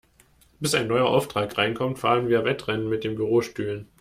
Bis ein neuer Auftrag reinkommt, fahren wir Wettrennen mit den Bürostühlen.